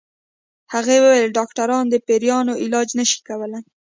هغې ويل ډاکټران د پيريانو علاج نشي کولی